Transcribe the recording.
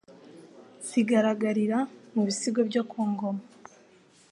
zigaragarira mu bisigo byo ku ngoma